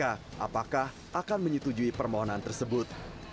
apakah akan menyetujui permohonan tersebut